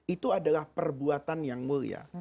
itu adalah perbuatan yang mulia